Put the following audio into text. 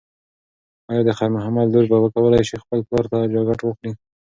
ایا د خیر محمد لور به وکولی شي خپل پلار ته جاکټ واخلي؟